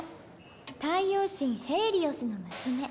太陽神・ヘーリオスの娘。